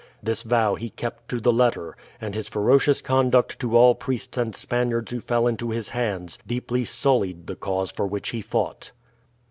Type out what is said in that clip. This vow he kept to the letter, and his ferocious conduct to all priests and Spaniards who fell into his hands deeply sullied the cause for which he fought.